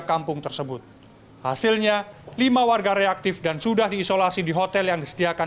kampung tersebut hasilnya lima warga reaktif dan sudah diisolasi di hotel yang disediakan